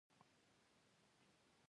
موږ ته دوه کارتونه راکړیدي